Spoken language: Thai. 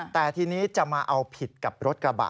แต่ทีนี้จะมาเอาผิดกับรถกระบะ